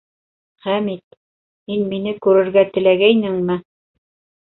Хәмит, һин мине күрергә теләгәйнеңме?